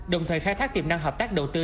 đồng thời khai thác tiềm năng hợp tác đầu tư